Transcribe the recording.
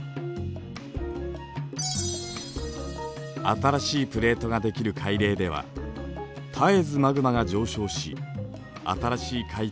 新しいプレートができる海嶺では絶えずマグマが上昇し新しい海底がつくられています。